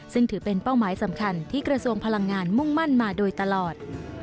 ซึ่งถือเป็นเป้าหมายสำคัญที่กระทรวงพลังงานมุ่งมั่นมาโดยตลอด